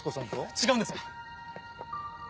違うんです。